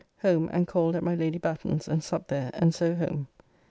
Home and called at my Lady Batten's, and supped there, and so home.